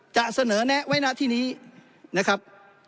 จะเสนอแนะไว้หน้าที่นี้นะครับ